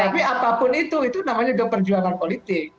tapi apapun itu itu namanya juga perjuangan politik